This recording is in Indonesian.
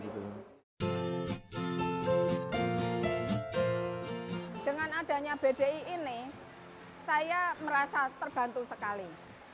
dengan adanya bdi ini saya merasa terbantu sekali